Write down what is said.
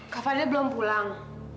kak fadil belum pulang